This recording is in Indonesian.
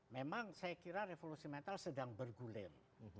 memang saya kira revolusi mental sedang bergulir